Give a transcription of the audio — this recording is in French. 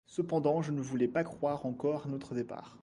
Cependant je ne voulais pas croire encore à notre départ.